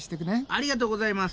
ありがとうございます。